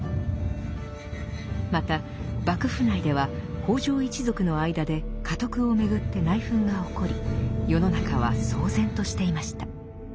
また幕府内では北条一族の間で家督をめぐって内紛が起こり世の中は騒然としていました。